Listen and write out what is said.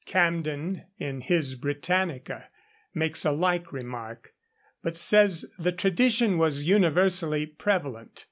Camden, in his 'Britannica,' makes a like remark, but says the tradition was universally prevalent.